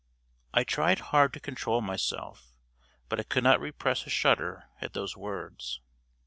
I tried hard to control myself, but I could not repress a shudder at those words.